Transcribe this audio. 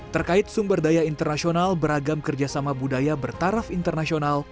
terkait sumber daya internasional beragam kerjasama budaya bertaraf internasional